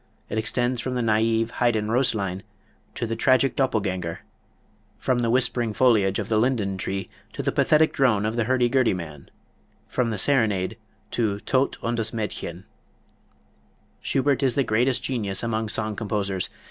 It extends from the naive "Haiden Röslein" to the tragic "Doppelgänger"; from the whispering foliage of the "Linden Tree" to the pathetic drone of the "Hurdy Gurdy Man"; from the "Serenade" to "Todt und das Mädchen." Schubert is the greatest genius among song composers.